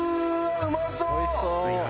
うまそう！